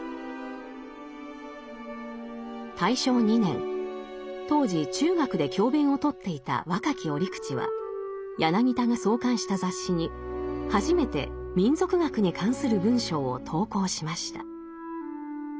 大正２年当時中学で教鞭を執っていた若き折口は柳田が創刊した雑誌に初めて民俗学に関する文章を投稿しました。